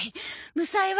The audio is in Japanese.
むさえは？